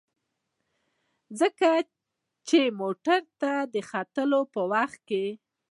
ځکه چې موټر ته د ختلو په وخت کې.